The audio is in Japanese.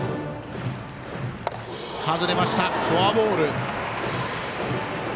フォアボール。